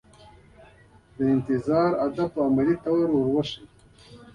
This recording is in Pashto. د انتظار آداب په عملي ډول ور وښيي.